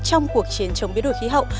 trong cuộc chiến chống biến đổi khí hậu